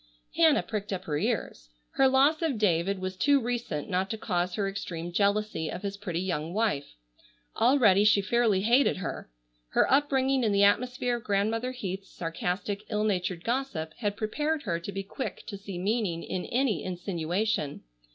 Hannah pricked up her ears. Her loss of David was too recent not to cause her extreme jealousy of his pretty young wife. Already she fairly hated her. Her upbringing in the atmosphere of Grandmother Heath's sarcastic, ill natured gossip had prepared her to be quick to see meaning in any insinuation.